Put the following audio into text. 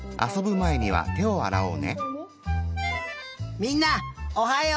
みんなおはよう。